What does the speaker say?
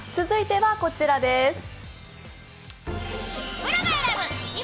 続いてはこちらです。